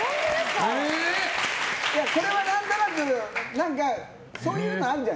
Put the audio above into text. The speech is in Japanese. これは何となくそういうのがあるじゃん。